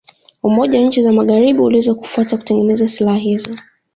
Umoja wa nchi za Magharibi uliweza kufuata kutengeneza silaha hizo